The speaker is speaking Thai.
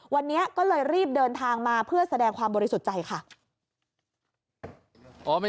วันนี้ก็เลยรีบเดินทางมาเพื่อแสดงความบริสุทธิ์ใจค่ะ